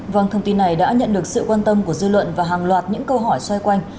vâng thông tin này đã nhận được sự quan tâm của dư luận và hàng loạt những câu hỏi xoay quanh